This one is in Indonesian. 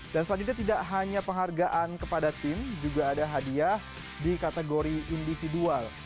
dan selanjutnya tidak hanya penghargaan kepada tim juga ada hadiah di kategori individual